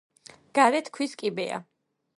გარეთ ქვის კიბეა.